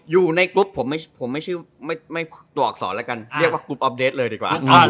อยู่ในกลุ่มผมไม่ชื่อตัวอักษรละกันเรียกว่ากลุ่มอัพเดทเลยดีกว่า